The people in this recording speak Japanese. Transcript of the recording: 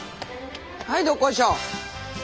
はいどっこいしょ。